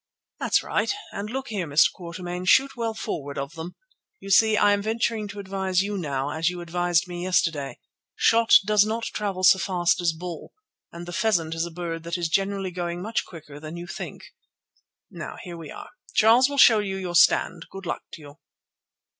"That's right. And look here, Mr. Quatermain, shoot well forward of them. You see, I am venturing to advise you now, as you advised me yesterday. Shot does not travel so fast as ball, and the pheasant is a bird that is generally going much quicker than you think. Now, here we are. Charles will show you your stand. Good luck to you."